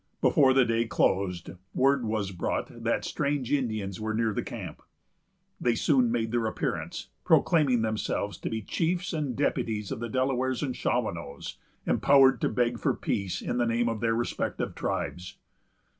Before the day closed, word was brought that strange Indians were near the camp. They soon made their appearance, proclaiming themselves to be chiefs and deputies of the Delawares and Shawanoes, empowered to beg for peace in the name of their respective tribes.